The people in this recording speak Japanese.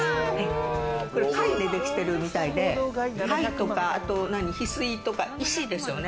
貝でできてるみたいで、海とかひすいとか、石ですよね。